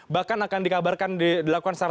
bahkan akan dikabarkan dilakukan